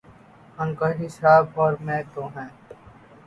خاکوانی صاحب اور میں تو ہیں۔